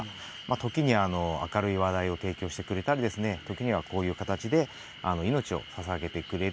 時に明るい話題を提供してくれたり時にはこういう形で命をささげてくれる。